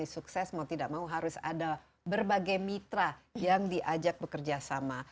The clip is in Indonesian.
sukses mau tidak mau harus ada berbagai mitra yang diajak bekerja sama